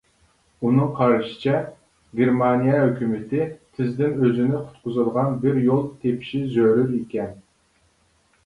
ئۇنىڭ قارىشىچە گېرمانىيە ھۆكۈمىتى تېزدىن ئۆزىنى قۇتقۇزىدىغان بىر يول تېپىشى زۆرۈر ئىكەن.